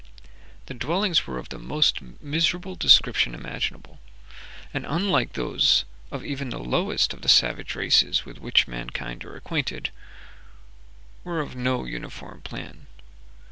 The dwellings were of the most miserable description imaginable, and, unlike those of even the lowest of the savage races with which mankind are acquainted, were of no uniform plan.